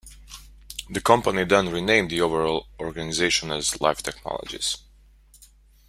The company then renamed the overall organization as Life Technologies.